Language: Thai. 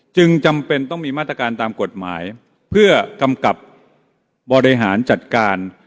จำเป็นต้องมีมาตรการตามกฎหมายเพื่อกำกับบริหารจัดการ